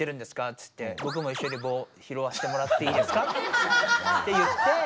つってぼくもいっしょに棒ひろわせてもらっていいですか？」って言って。